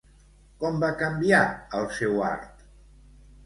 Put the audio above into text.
Com va canviar el seu art?